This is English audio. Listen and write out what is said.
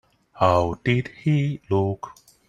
How did he look?